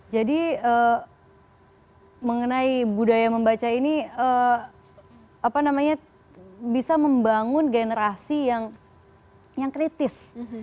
jadi mengenai budaya membaca ini apa namanya bisa membangun generasi yang kritis